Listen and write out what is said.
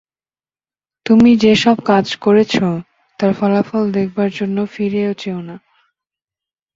তুমি যে-সব কাজ করেছ, তার ফলাফল দেখবার জন্য ফিরেও চেও না।